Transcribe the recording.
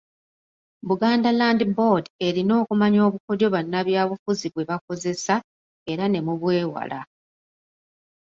Buganda Land Board erina okumanya obukodyo bannabyabufuzi bwe bakozesa era ne mubwewala.